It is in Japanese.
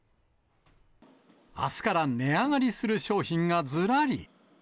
あすから値上がりする商品がずらり。